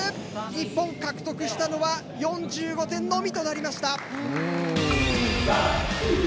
日本獲得したのは４５点のみとなりました。